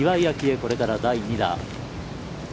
これから第２打。